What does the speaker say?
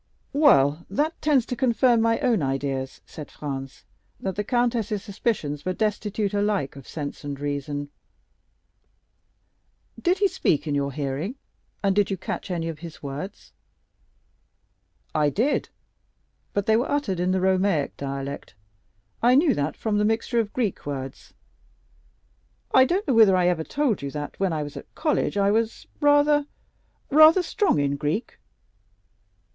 "Well, that tends to confirm my own ideas," said Franz, "that the countess's suspicions were destitute alike of sense and reason. Did he speak in your hearing? and did you catch any of his words?" "I did; but they were uttered in the Romaic dialect. I knew that from the mixture of Greek words. I don't know whether I ever told you that when I was at college I was rather—rather strong in Greek."